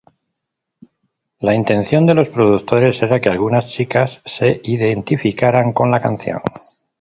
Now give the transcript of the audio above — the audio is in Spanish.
La intención de los productores era que algunas chicas se identificaran con la canción.